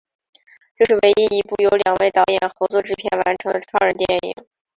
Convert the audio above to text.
这是唯一一部由两位导演合作制片完成的超人电影。